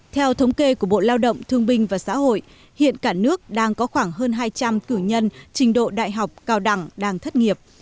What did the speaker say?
theo thống kê của bộ lao động thương binh và xã hội hiện cả nước đang có khoảng hơn hai trăm linh cử nhân trình độ đại học cao đẳng đang thất nghiệp